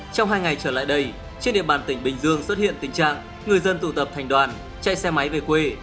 trong hai ngày trở lại đây trên địa bàn tỉnh bình dương xuất hiện tình trạng người dân tụ tập thành đoàn chạy xe máy về quê